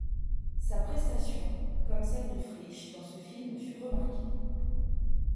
Sa prestation, comme celle de Frisch dans ce film fut remarquée.